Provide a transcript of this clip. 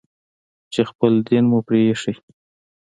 چې خپل دين مو پرې ايښى.